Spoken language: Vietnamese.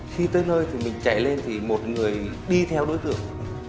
khi tới nơi thì mình chạy lên thì một người đi theo đối tượng